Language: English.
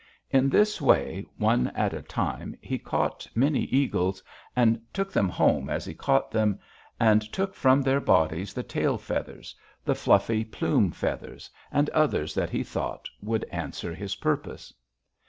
In this way, one at a time, he caught many eagles, and took them home as he caught them, and took from their bodies the tail feathers, the fluffy plume feathers, and others that he thought would answer his purpose.